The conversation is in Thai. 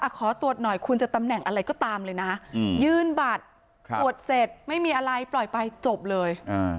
ขอตรวจหน่อยคุณจะตำแหน่งอะไรก็ตามเลยนะยื่นบัตรตรวจเสร็จไม่มีอะไรปล่อยไปจบเลย